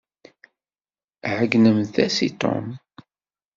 Ɛeyynent-as i Tom.